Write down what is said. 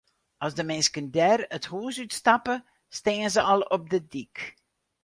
As de minsken dêr it hûs út stappe, stean se al op de dyk.